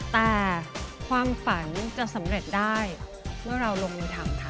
แต่ความฝันจะสำเร็จได้เมื่อเราลงมือทำค่ะ